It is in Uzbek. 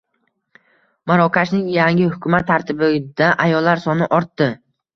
Marokashning yangi hukumat tarkibida ayollar soni ortdi